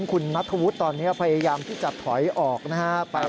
คุณภูริพัฒน์บุญนิน